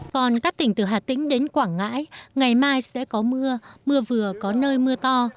còn các tỉnh từ hà tĩnh đến quảng ngãi ngày mai sẽ có mưa mưa vừa có nơi mưa to